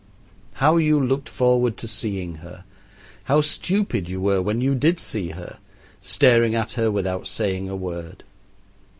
How you looked forward to seeing her, how stupid you were when you did see her, staring at her without saying a word!